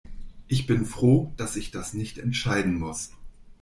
Ich bin froh, dass ich das nicht entscheiden muss.